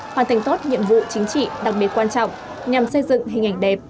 hoàn thành tốt nhiệm vụ chính trị đặc biệt quan trọng nhằm xây dựng hình ảnh đẹp